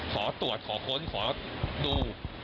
ขอตรวจขอค้นขอดู